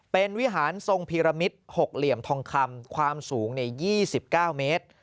เป็นวิหารทรงพีรมิตร๖เหลี่ยมทองคำความสูง๒๙เมตร